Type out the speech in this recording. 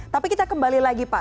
tapi kita kembali lagi pak